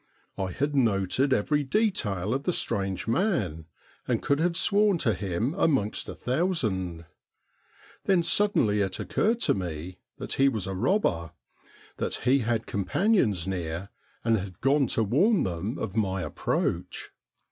I had noted every detail of the strange man and could have sworn to him amongst a thousand. Then sud denly it occurred to me that he was a robber ; that he had companions near and had gone to warn them of my approach.